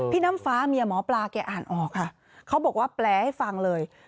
น้ำฟ้าเมียหมอปลาแกอ่านออกค่ะเขาบอกว่าแปลให้ฟังเลย